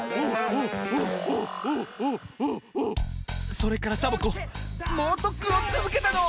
それからサボ子もうとっくんをつづけたの！